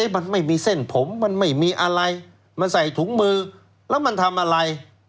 มันไม่มีเส้นผมมันไม่มีอะไรมันใส่ถุงมือแล้วมันทำอะไร